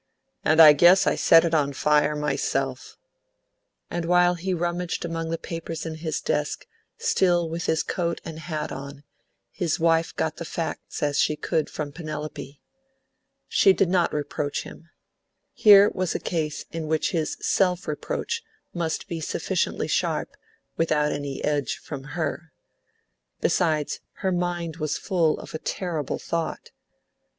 And I guess I set it on fire myself;" and while he rummaged among the papers in his desk, still with his coat and hat on, his wife got the facts as she could from Penelope. She did not reproach him. Here was a case in which his self reproach must be sufficiently sharp without any edge from her. Besides, her mind was full of a terrible thought.